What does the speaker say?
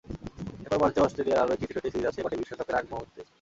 এরপর মার্চে অস্ট্রেলিয়ার আরও একটি টি-টোয়েন্টি সিরিজ আছে বটে বিশ্বকাপের আগমুহূর্তে।